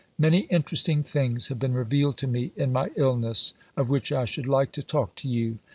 Many interesting things have been revealed to me in my illness, of which I should like to talk to you.